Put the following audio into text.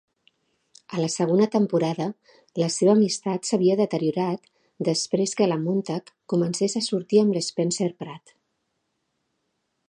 A la segona temporada, la seva amistat s'havia deteriorat després que la Montag comencés a sortir amb l'Spencer Pratt.